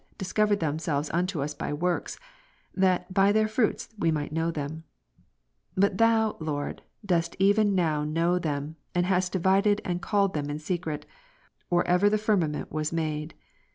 7, discovered themselves unto us by works, that by their fruits we might know them : but Thou, Lord, dost even noAV know them, and hast divided and called them in secret, or ever the firmament was made.